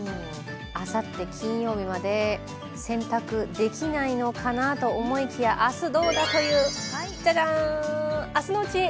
あさって金曜日まで洗濯できないのかなと思いきや明日、どうだという、明日のうち。